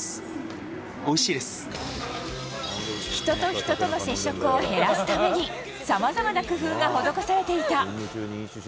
人と人との接触を減らすためにさまざまな工夫が施されていた。